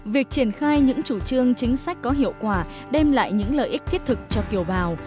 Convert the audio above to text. việc triển khai những chủ trương chính sách có hiệu quả đem lại những lợi ích thiết thực cho kiều bào